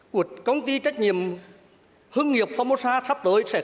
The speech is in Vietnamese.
của công ty trách nhiệm hương nghiệp phong mô sa sắp tới